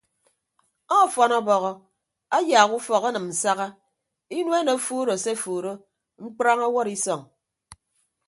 Ọfọn ọbọhọ ayaak ufọk enịm nsaha inuen ofuuro se ofuuro mkprañ ọwọd isọñ.